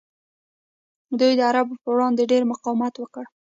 دوی د عربو پر وړاندې ډیر مقاومت وکړ